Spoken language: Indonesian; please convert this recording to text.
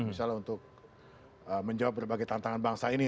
misalnya untuk menjawab berbagai tantangan bangsa ini